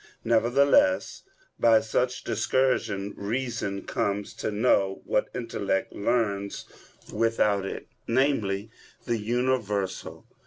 Nevertheless by such discursion reason comes to know what intellect learns without it, namely, the universal.